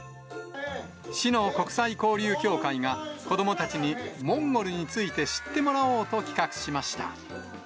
市の国際交流協会が、子どもたちにモンゴルについて知ってもらおうと企画しました。